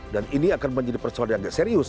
dan ini akan menjadi persoalan yang agak serius